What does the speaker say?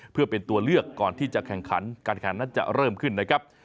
เพื่อเป็นตัวเลือกก่อนที่จะแข่งขันการแข่งนั้นจะเริ่มขึ้นนะครับ